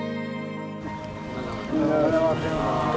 おはようございます。